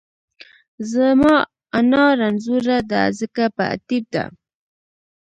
زما انا رنځورۀ دۀ ځکه په اتېب دۀ